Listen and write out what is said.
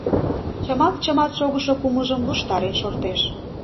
Чымалт-чымалт шогышо кумылжым луштарен шортеш.